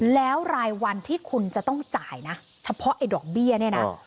แล้วรายวันที่คุณจะต้องจ่ายนะเฉพาะไอ้ดอกเบี้ยเนี่ยนะ